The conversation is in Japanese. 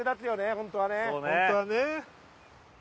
・本当はね。